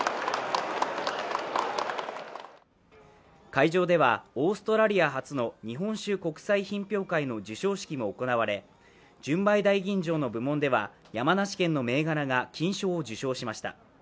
会場では、オーストラリア初の日本酒国際品評会の授賞式も行われ純米大吟醸の部門では山梨県の銘柄が金賞を受賞しました。